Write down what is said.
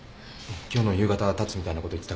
今日の夕方たつみたいなこと言ってたから。